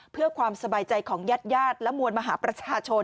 เพื่อความสบายใจของญาติญาติและมวลมหาประชาชน